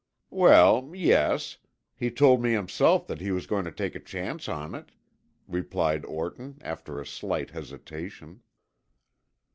"Well, yes, he told me himself that he was going to take a chance on it," replied Orton after a slight hesitation.